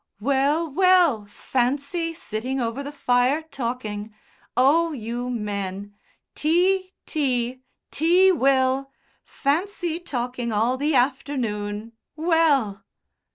"Well, well. Fancy! Sitting over the fire talking! Oh, you men! Tea! tea! Tea, Will! Fancy talking all the afternoon! Well!"